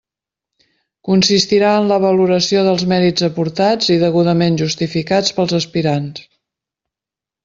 Consistirà en la valoració dels mèrits aportats i degudament justificats pels aspirants.